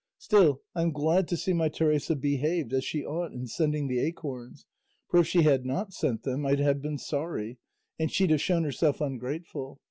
Still I'm glad to see my Teresa behaved as she ought in sending the acorns, for if she had not sent them I'd have been sorry, and she'd have shown herself ungrateful.